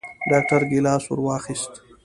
ډاکتر ګېلاس ورواخيست.